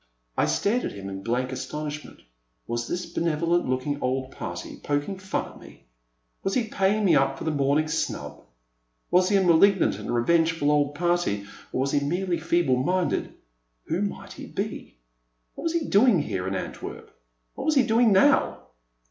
I stared at him in blank astonishment. Was this benevolent looking old party poking fun at me ? Was he paying me up for the morning's snub ? Was he a malignant and revengeful old party, or was he merely feeble minded? Who might he be ? What was he doing here in Ant werp — ^what was he doing now